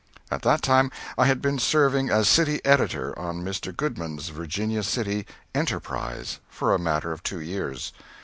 At that time I had been serving as city editor on Mr. Goodman's Virginia City "Enterprise" for a matter of two years.